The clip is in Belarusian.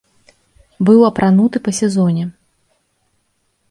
Быў апрануты па сезоне.